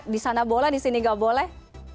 di sana boleh di sini nggak boleh